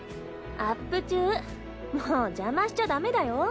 アップ中も邪魔しちゃダメだよ。